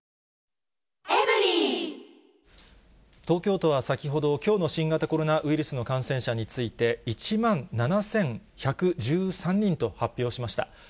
東京都は先ほど、きょうの新型コロナウイルスの感染者について、１万７１１３人と発表しました。